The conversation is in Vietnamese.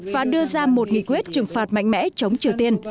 và đưa ra một nghị quyết trừng phạt mạnh mẽ chống triều tiên